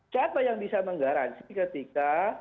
siapa yang bisa menggaransi ketika